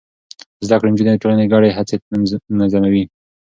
زده کړې نجونې د ټولنې ګډې هڅې منظموي.